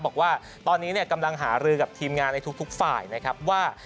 บอกว่าตอนนี้กำลังหารือกับทีมงานในทุกฝ่ายนะครับว่า